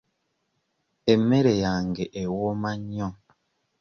Emmere yange ewooma nnyo.